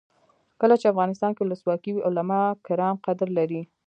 کله چې افغانستان کې ولسواکي وي علما کرام قدر لري.